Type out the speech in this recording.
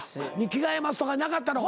着替えますとかなかったのか。